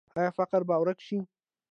آیا فقر به ورک شي؟